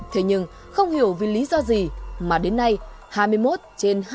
thế nhưng không hiểu vì lý do gì mà đến nay hai mươi một trên hai mươi hai cảng hàng không thuộc quản lý cảng hàng không